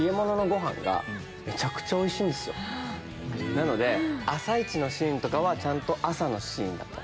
なので朝いちのシーンはちゃんと朝のシーンだった。